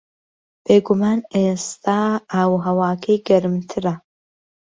بێگومان ئێستا ئاو و ھەواکەی گەرمترە